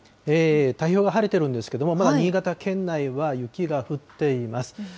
太平洋側、晴れてるんですけれども、新潟県内は雪が降っています。